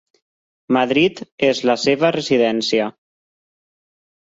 Madrid és la seva residència.